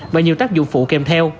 và nhiều tác dụng phụ kèm theo